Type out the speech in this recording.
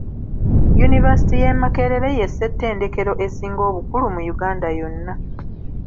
Yunivaasite y'e Makerere ye ssettendekero esinga obukulu mu Uganda yonna